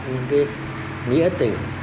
những cái nghĩa tình